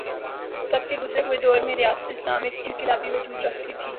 تب کے گزرے ہوئے دور میں ریاست اسلام ایک انقلابی وجود رکھتی تھی۔